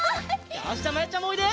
よしまやちゃんもおいで！